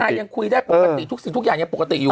ยังคุยได้ปกติทุกสิ่งทุกอย่างยังปกติอยู่